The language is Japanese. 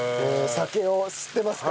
酒を吸ってますか？